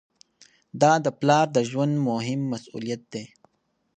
دا د پلار د ژوند مهم مسؤلیت دی.